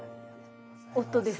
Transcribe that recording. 夫です。